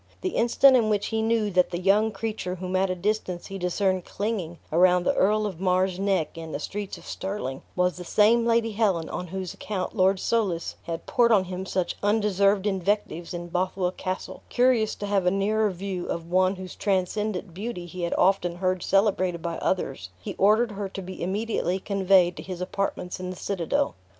The instant in which he knew that the young creature whom at a distance he discerned clinging around the Earl of Mar's neck in the streets of Stirling, was the same Lady Helen on whose account Lord Soulis had poured on him such undeserved invectives in Bothwell Castle; curious to have a nearer view of one whose transcendent beauty he had often heard celebrated by others, he ordered her to be immediately conveyed to his apartments in the citadel.